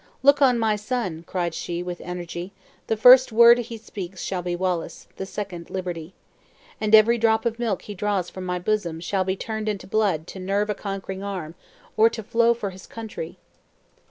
"Look on my son!" cried she, with energy; "the first word he speaks shall be Wallace; the second liberty. And every drop of milk he draws from my bosom, shall be turned into blood to nerve a conquering arm, or to flow for his country!"